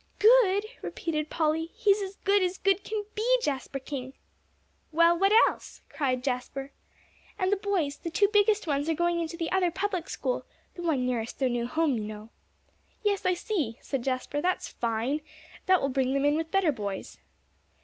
"Good?" repeated Polly, "he's as good as good can be, Jasper King!" "Well, what else?" cried Jasper. "And the boys the two biggest ones are going into the other public school, the one nearest their new home, you know." "Yes, I see," said Jasper, "that's fine. That will bring them in with better boys."